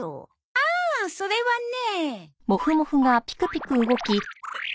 ああそれはね。えっ！？